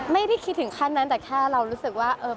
ไม่ได้คิดถึงขั้นนั้นแต่แค่เรารู้สึกว่าเออ